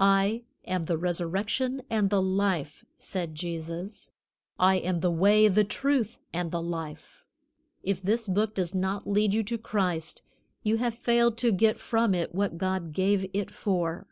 "I am the resurrection and the life," said Jesus; "I am the way, the truth and the life." If this Book does not lead you to Christ, you have failed to get from it what God gave it for.